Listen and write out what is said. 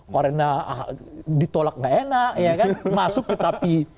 karena ditolak nggak enak masuk tetapi